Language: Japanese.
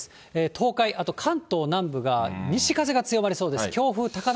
東海、あと関東南部が西風が強まりそうです。